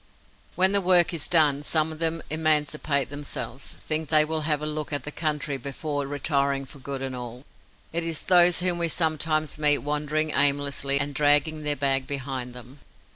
When the work is done, some of them emancipate themselves, think they will have a look at the country before retiring for good and all. It is these whom we sometimes meet wandering aimlessly and dragging their bag behind them.